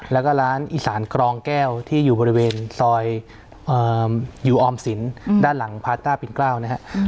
แล้วก็ร้านอีสานกรองแก้วที่อยู่บริเวณซอยอยู่ออมสินด้านหลังพาต้าปิ่นเกล้านะครับ